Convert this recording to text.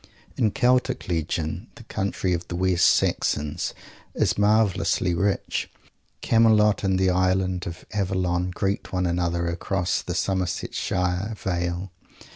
In Celtic legend the country of the West Saxons is marvellously rich. Camelot and the Island of Avalon greet one another across the Somersetshire vale.